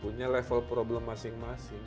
punya level problem masing masing